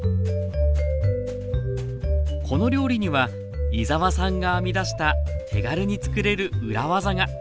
この料理には井澤さんが編み出した手軽につくれる裏技が。